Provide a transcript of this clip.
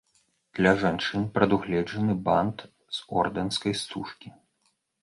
Для жанчын прадугледжаны бант з ордэнскай стужкі.